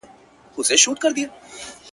نه خمار مي د چا مات کړ، نه نشې مي کړلې مستې.!